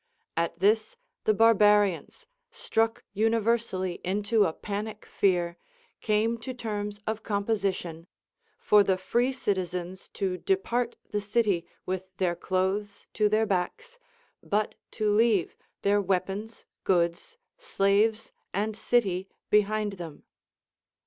At this the barbarians, struck universally into a panic fear, came to terms of composition, for the free citi zens to depart the city with their clothes to their backs, but to leave their weapons, goods, slaves, and city behind them.